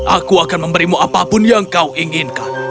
aku akan memberimu apapun yang kau inginkan